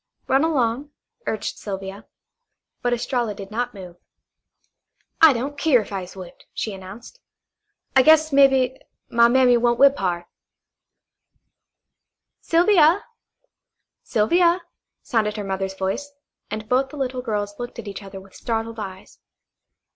Run along," urged Sylvia. But Estralla did not move. "I don't keer if I is whipped," she announced. "I guess, mebbe, my mammy won't whip hard." "Sylvia, Sylvia," sounded her mother's voice, and both the little girls looked at each other with startled eyes.